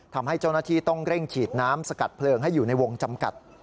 ทำให้เจ้าหน้าที่ต้องเร่งฉีดน้ำสกัดเพลิงให้อยู่ในวงจำกัด